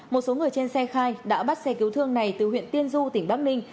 một số người trên xe khai đã bắt xe cứu thương này từ huyện tiên du tỉnh bắc ninh